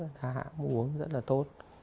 người ta hãng uống rất là tốt